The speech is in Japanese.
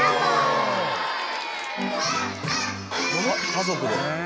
家族で。